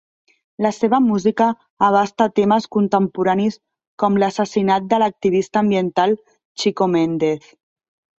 La seva música abasta temes contemporanis com l'assassinat de l'activista ambiental, Chico Mendes.